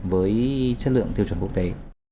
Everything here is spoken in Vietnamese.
với chất lượng tiêu chuẩn quốc tế